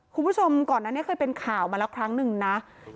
คุณผู้ชมก่อนอันนี้เคยเป็นข่าวมาแล้วครั้งหนึ่งนะ